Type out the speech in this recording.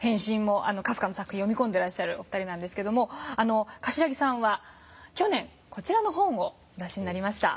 カフカの作品を読み込んでらっしゃるお二人なんですけども頭木さんは去年こちらの本をお出しになりました。